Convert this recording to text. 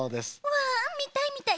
わあみたいみたい。